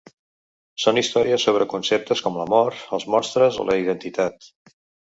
Són històries sobre conceptes com la mort, els monstres o la identitat.